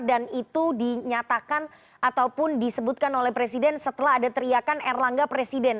dan itu dinyatakan ataupun disebutkan oleh presiden setelah ada teriakan erlangga presiden